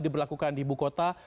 diberlakukan di ibu kota